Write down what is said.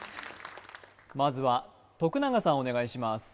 まずは永さんお願いします